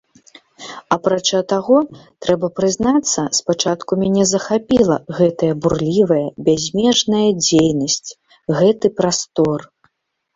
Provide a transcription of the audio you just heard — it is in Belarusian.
Апрача таго, трэба прызнацца, спачатку мяне захапіла гэтая бурлівая, бязмежная дзейнасць, гэты прастор.